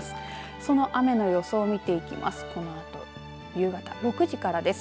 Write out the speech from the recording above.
その雨の予想を見ていきます。